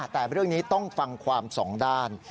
แต่เรื่องนี้ต้องฟังความสองด้าน